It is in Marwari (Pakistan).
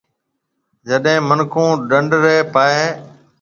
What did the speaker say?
جڏي منِکون ڊنڍ رَي پاھيََََ۔